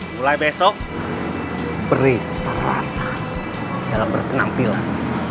mulai besok beri kita rasa dalam berkenampilan